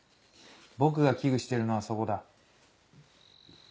僕が危惧してるのはそこだ。